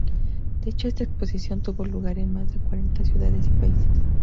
De hecho esta exposición tuvo lugar en más de cuarenta ciudades y países.